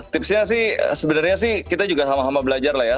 tipsnya sih sebenarnya sih kita juga sama sama belajar lah ya